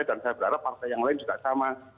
dan saya berharap partai yang lain juga sama